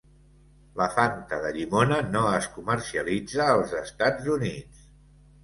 La Fanta de llimona no es comercialitza als Estats Units.